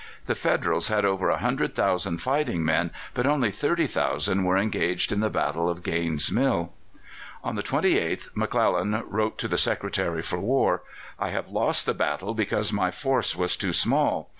The Federals had over 100,000 fighting men, but only 30,000 were engaged in the battle of Gaine's Mill. On the 28th McClellan wrote to the Secretary for War: "I have lost the battle because my force was too small.